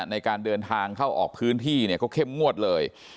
ในการเดินทางเข้าออกพื้นที่เนี่ยเขาเข้มงวดเลย